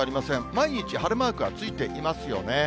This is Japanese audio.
毎日晴れマークはついていますよね。